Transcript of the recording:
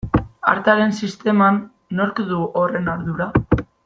Artearen sisteman nork du horren ardura?